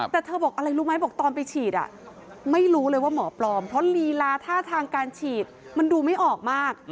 แต่เธอบอกอะไรรู้ไหมบอกตอนไปฉีดไม่รู้เลยว่าหมอปลอมเพราะลีลาท่าทางการฉีดมันดูไม่ออกมาก